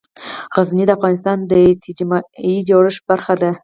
غزني د افغانستان د اجتماعي جوړښت برخه ده.